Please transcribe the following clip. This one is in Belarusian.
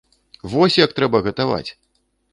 Вось як трэба гатаваць!